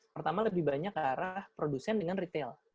pertama lebih banyak ke arah produsen dengan retail